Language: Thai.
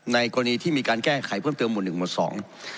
กรณีที่มีการแก้ไขเพิ่มเติมหมวดหนึ่งหมวดสอง